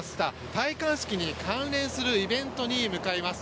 戴冠式に関連するイベントに向かいます。